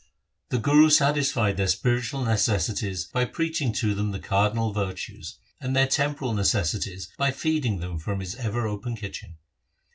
The Guru satisfied their spiritual necessities by preaching to them the cardinal virtues, and their tem poral necessities by feeding them from his ever open kitchen.